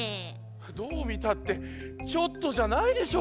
どうみたってちょっとじゃないでしょ